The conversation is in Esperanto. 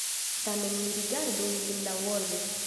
Tamen ni rigardu ilin laŭorde.